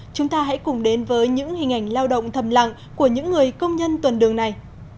chúng ta hãy cùng đến với những hình ảnh lao động thầm lặng của những người công nhân tuần đường này